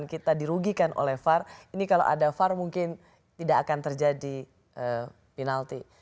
kita dirugikan oleh var ini kalau ada var mungkin tidak akan terjadi penalti